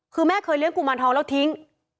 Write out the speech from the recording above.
คือแม่เคยเลี้ยงกุมารทองแล้วทิ้ง